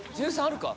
１３あるか。